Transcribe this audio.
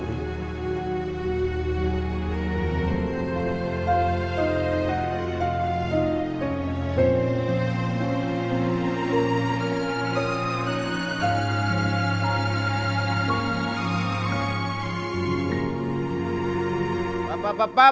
pak pak pak pak